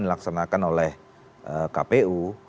dilaksanakan oleh kpu